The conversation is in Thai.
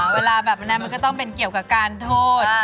เวลาแบบนั้นมันก็ต้องเป็นเกี่ยวกับการโทษ